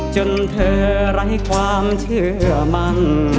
จนเธอไร้ความเชื่อมัน